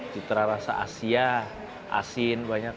citra rasa asia asin banyak